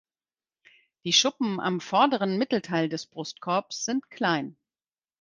Die Schuppen am vorderen Mittelteil des Brustkorbs sind klein.